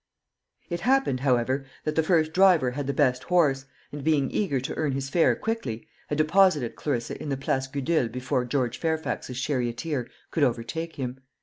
It happened, however, that the first driver had the best horse, and, being eager to earn his fare quickly, had deposited Clarissa in the Place Gudule before George Fairfax's charioteer could overtake him.